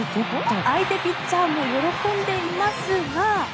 相手ピッチャーも喜んでいますが。